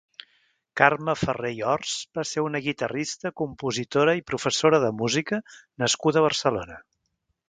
Carme Farré i Ors va ser una guitarrista, compositora i professora de música nascuda a Barcelona.